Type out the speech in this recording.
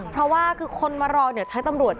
เพราะว่าคือคนมารอใช้ตำรวจ